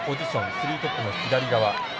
スリートップの左側。